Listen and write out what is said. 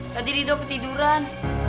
tadi ridho ketiduran